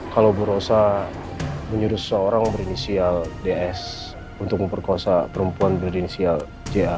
kalau berusaha menyuruh seorang berinisial ds untuk memperkosa perempuan berinisial ja